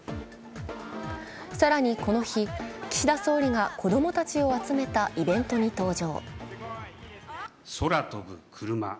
更にこの日、岸田総理が子供たちを集めたイベントに登場。